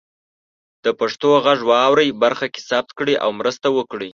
د پښتو غږ واورئ برخه کې ثبت کړئ او مرسته وکړئ.